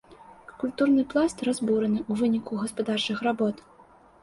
Культурны пласт разбураны ў выніку гаспадарчых работ.